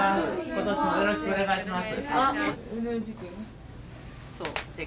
今年もよろしくお願いします。